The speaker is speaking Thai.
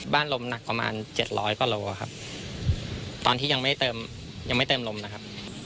ลมหนักประมาณเจ็ดร้อยกว่าโลครับตอนที่ยังไม่เติมยังไม่เติมลมนะครับ